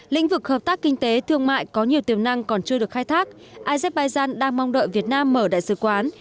lĩnh vực hợp tác kinh tế thương mại có nhiều tiềm năng còn chưa được khai thác azerbaijan đang mong đợi việt nam mở đại sứ quán